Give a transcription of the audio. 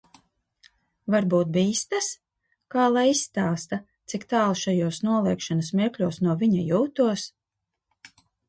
Varbūt bīstas? Kā lai izstāsta, cik tālu šajos noliegšanas mirkļos no viņa jūtos?